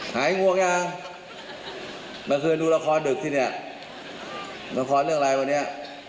หายงวงยังเมื่อคืนดูละครดึกที่เนี่ยละครเรื่องอะไรวันนี้